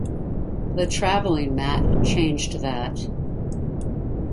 The traveling matte changed that.